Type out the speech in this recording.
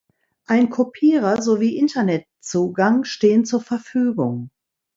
Ein Kopierer sowie Internetzugang stehen zur Verfügung.